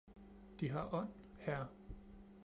De har ånd, hr